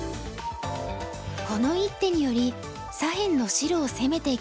この一手により左辺の白を攻めていくことに成功。